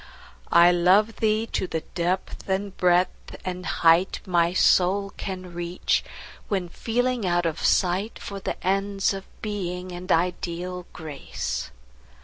I love thee to the depth and breadth and height My soul can reach, when feeling out of sight For the ends of Being and ideal Grace.